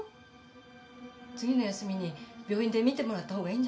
次の休みに病院で診てもらった方がいいんじゃない。